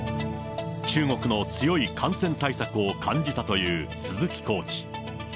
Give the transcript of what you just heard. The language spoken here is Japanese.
中国の強い感染対策を感じたという鈴木コーチ。